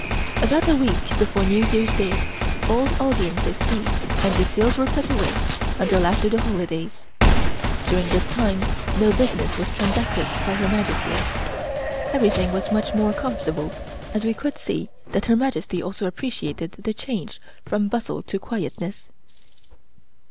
About a week before New Year's day all audiences ceased and the seals were put away until after the holidays. During this time no business was transacted by Her Majesty. Everything was much more comfortable and we could see that Her Majesty also appreciated the change from bustle to quietness.